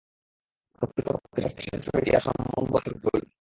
প্রকৃতপক্ষে শ্বাসপ্রশ্বাসের সহিত ইহার সম্বন্ধ অতি অল্পই।